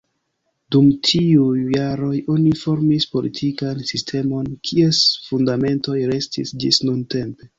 Dum tiuj jaroj oni formis politikan sistemon kies fundamentoj restis ĝis nuntempe.